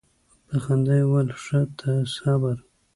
په خندا یې وویل ښه ته صبر.